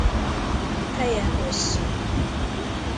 Feje hosszú.